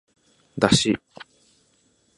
だし